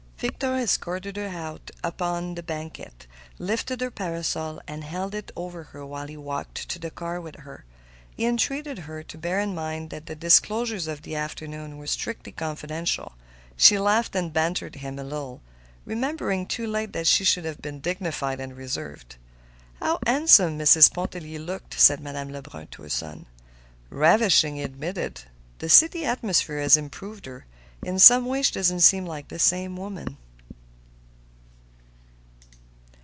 Victor escorted her out upon the banquette, lifted her parasol, and held it over her while he walked to the car with her. He entreated her to bear in mind that the disclosures of the afternoon were strictly confidential. She laughed and bantered him a little, remembering too late that she should have been dignified and reserved. "How handsome Mrs. Pontellier looked!" said Madame Lebrun to her son. "Ravishing!" he admitted. "The city atmosphere has improved her. Some way she doesn't seem like the same woman."